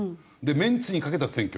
メンツにかけた選挙。